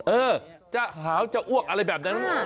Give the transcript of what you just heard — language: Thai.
เออจะหาวจะอ้วกอะไรแบบนั้น